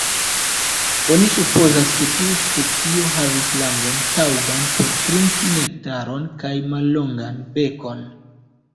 Oni supozas, ke tiu specio havis langon taŭgan por trinki Nektaron kaj mallongan bekon.